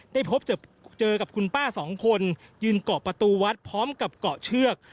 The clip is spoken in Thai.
เจอกับคุณป้าสองคนยืนเกาะประตูวัดพร้อมกับเกาะเชือก